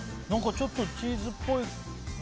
ちょっとチーズっぽい。